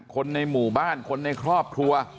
คนในหมู่บ้านคนในครอบครัว